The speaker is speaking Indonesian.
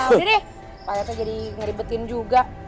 udah deh parete jadi ngeribetin juga